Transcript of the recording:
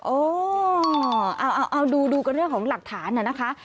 โอ้เอาดูกันเรื่องของหลักฐานน่ะนะคะ